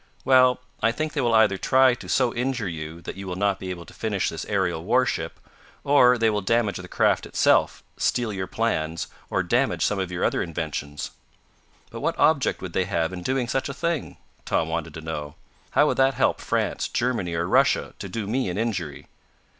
"Well, I think they will either try to so injure you that you will not be able to finish this aerial warship, or they will damage the craft itself, steal your plans, or damage some of your other inventions." "But what object would they have in doing such a thing?" Tom wanted to know. "How would that help France, Germany or Russia, to do me an injury?"